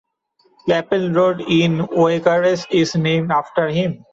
Chapple Road in Witheridge is named after him.